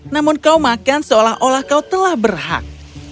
namun kau makan seolah olah kau telah berhak